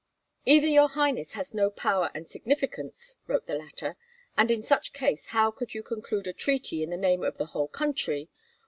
"Either your highness has no power and significance," wrote the latter, "and in such case how could you conclude a treaty in the name of the whole country!